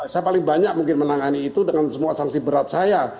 saya paling banyak mungkin menangani itu dengan semua sanksi berat saya